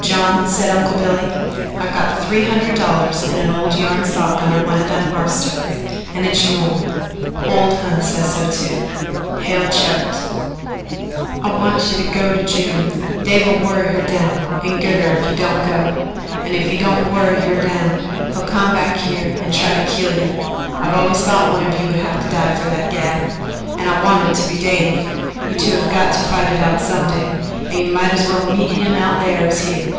"John," said Uncle Billy, "I've got three hundred dollars in a old yarn sock under one of them hearthstones and its yourn. Ole Hon says so too." Hale choked. "I want ye to go to June. Dave'll worry her down and git her if you don't go, and if he don't worry her down, he'll come back an' try to kill ye. I've always thought one of ye would have to die fer that gal, an' I want it to be Dave. You two have got to fight it out some day, and you mought as well meet him out thar as here.